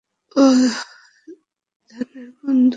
ও ধানার বন্ধু।